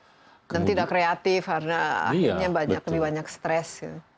dan tidak kreatif karena akhirnya banyak lebih banyak stress